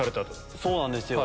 そうなんですよ。